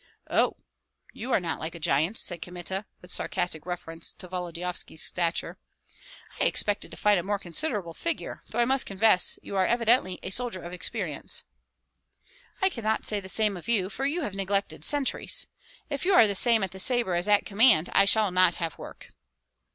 "Oh! you are not like a giant," said Kmita, with sarcastic reference to Volodyovski's stature, "I expected to find a more considerable figure, though I must confess you are evidently a soldier of experience." "I cannot say the same of you, for you have neglected sentries. If you are the same at the sabre as at command, I shall not have work."